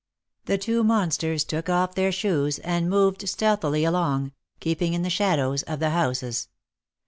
The two monsters took off their shoes, and moved stealthily along, keeping in the shadows of the houses.